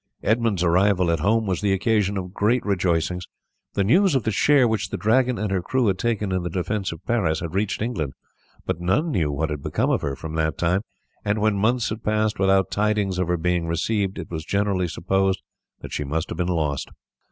Edmund's arrival at home was the occasion of great rejoicings. The news of the share which the Dragon and her crew had taken in the defence of Paris had reached England, but none knew what had become of her from that time, and when months had passed without tidings of her being received it was generally supposed that she must have been lost.